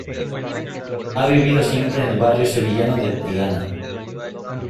Ha vivido siempre en el barrio sevillano de Triana.